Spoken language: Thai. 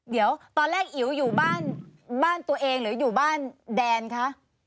เดี๋ยวตอนแรกอิ๋วอยู่บ้านบ้านตัวเองหรืออยู่บ้านแดนคะ